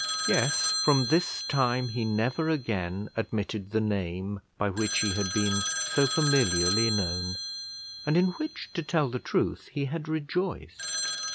Yes, from this time he never again admitted the name by which he had been so familiarly known, and in which, to tell the truth, he had rejoiced.